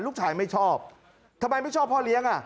ลูกชายไม่ชอบทำไมไม่ชอบพ่อเลี้ยงอ่ะ